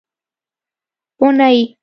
اونۍ